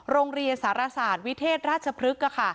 โรงเรียนสารศาสตร์วิเทศราชพฤกษ์